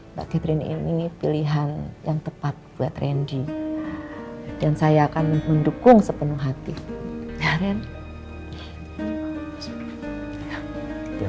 mbak catherine ini pilihan yang tepat buat randy dan saya akan mendukung sepenuh hati